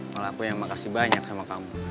malah aku yang makasih banyak sama kamu